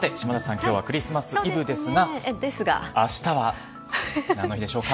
今日はクリスマスイブですが明日は何の日でしょうか？